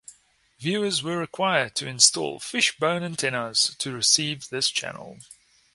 Viewers were required to install fish-bone antennas to receive this channel.